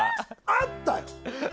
あったよ！